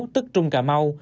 tức trung cà mau